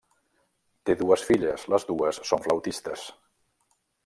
Té dues filles, les dues són flautistes.